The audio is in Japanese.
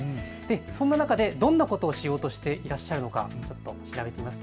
そんな中でどんなことをしようとしていらっしゃるか、こちら見てみます。